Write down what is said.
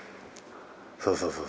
そうそうそう。